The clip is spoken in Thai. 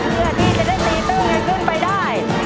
เพื่อที่จะได้ตีตึ้งให้ขึ้นไปได้